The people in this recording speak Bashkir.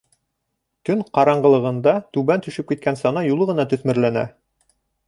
Төн ҡараңғылығында түбән төшөп киткән сана юлы ғына төҫмөрләнә.